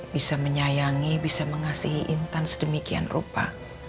bisa menyayangi bisa mengasih intan sedemikian rupa